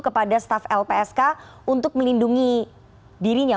kepada staf lpsk untuk melindungi dirinya